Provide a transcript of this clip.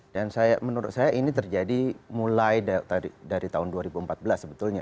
dan saya menurut saya ini terjadi mulai dari tahun dua ribu empat belas sebetulnya